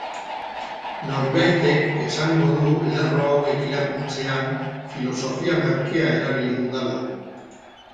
Norbaitek esango du lerro hauek irakurtzean, filosofia merkea erabili dudala.